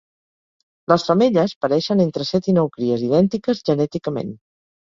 Les femelles pareixen entre set i nou cries idèntiques genèticament.